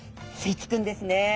いつくんですね。